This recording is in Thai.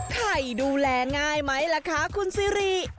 ใครดูแลง่ายไหมล่ะคะคุณซิริ